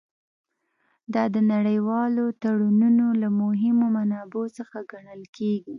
دا د نړیوالو تړونونو له مهمو منابعو څخه ګڼل کیږي